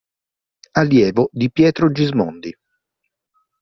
Allievo di Pietro Gismondi.